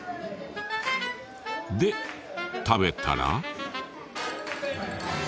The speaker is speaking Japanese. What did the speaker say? で食べたら。